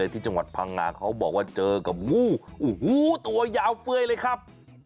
ที่จังหวัดพังงาเขาบอกว่าเจอกับงูโอ้โหตัวยาวเฟื่อยเลยครับ